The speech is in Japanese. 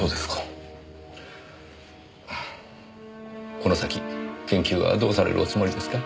この先研究はどうされるおつもりですか？